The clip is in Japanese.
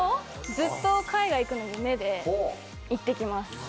ずっと海外行くの夢で行ってきます。